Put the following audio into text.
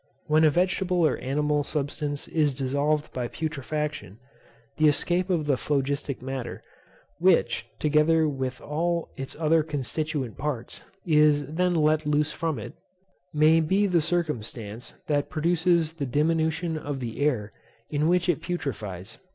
When a vegetable or animal substance is dissolved by putrefaction, the escape of the phlogistic matter (which, together with all its other constituent parts, is then let loose from it) may be the circumstance that produces the diminution of the air in which it putrefies.